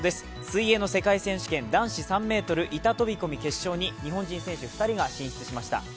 水泳の世界選手権、男子３ｍ飛び板飛び込み決勝に日本人選手２人が進出しました。